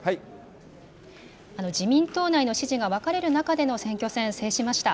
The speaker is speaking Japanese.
自民党内の支持が分かれる中での選挙戦、制しました。